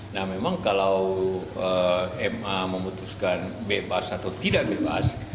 nah memang kalau ma memutuskan bebas atau tidak bebas